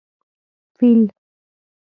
🐘 فېل